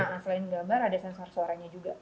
nah selain gambar ada sensor suaranya juga